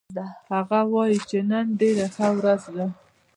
هغه وایي چې نن ډېره ښه ورځ ده